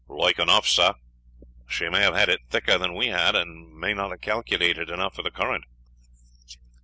"Like enough, sir, she may have had it thicker than we had, and may not have calculated enough for the current."